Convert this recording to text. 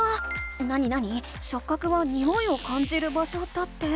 なになに「しょっ角はにおいを感じる場所」だって。